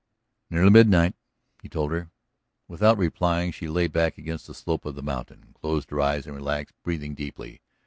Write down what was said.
"Nearly midnight," he told her. Without replying she lay back against the slope of the mountain, closed her eyes and relaxed, breathing deeply.